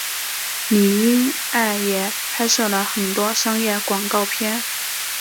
李英爱也拍摄了很多商业广告片。